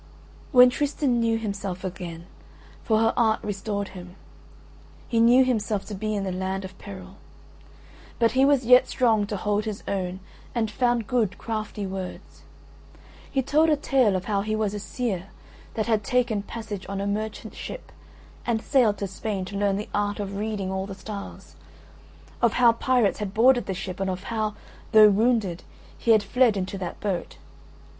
When Tristan knew himself again (for her art restored him) he knew himself to be in the land of peril. But he was yet strong to hold his own and found good crafty words. He told a tale of how he was a seer that had taken passage on a merchant ship and sailed to Spain to learn the art of reading all the stars,—of how pirates had boarded the ship and of how, though wounded, he had fled into that boat.